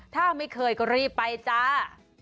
ถ้าไม่เคยก็รีบไปจ้า